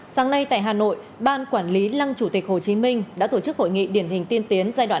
sáng nay tại hà nội ban quản lý lăng chủ tịch hồ chí minh đã tổ chức hội nghị điển hình tiên tiến giai đoạn hai nghìn một mươi hai nghìn hai mươi